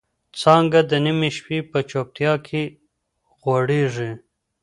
څانګه د نيمې شپې په چوپتیا کې غوړېږي.